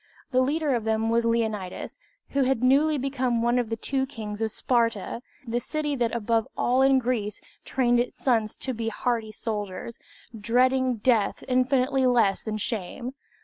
The leader of them was Leonidas, who had newly become one of the two kings of Sparta, the city that above all in Greece trained its sons to be hardy soldiers, dreading death infinitely less than shame.